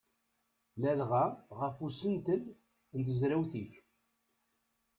Ladɣa ɣef usentel n tezrawt-ik.